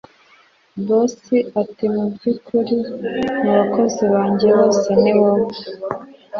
Boss atimubyukuri mubakozi bajye bose niwowe